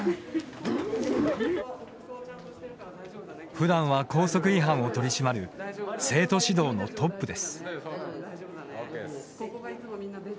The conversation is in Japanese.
ふだんは校則違反を取り締まる生徒指導のトップです。